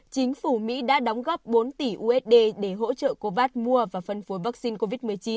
chính phủ mỹ đã đóng góp bốn tỷ usd để hỗ trợ covas mua và phân phối vaccine covid một mươi chín